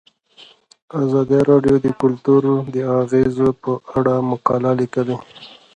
ازادي راډیو د کلتور د اغیزو په اړه مقالو لیکلي.